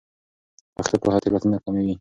پښتو پوهه تېروتنه کموي.